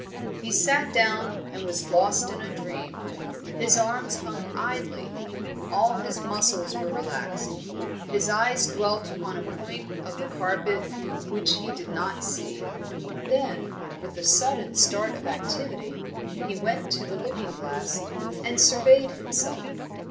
He sat down and was lost in a dream. His arms hung idly; all his muscles were relaxed. His eyes dwelt on a point of the carpet which he did not see. Then, with a sudden start of activity, he went to the looking glass and surveyed himself.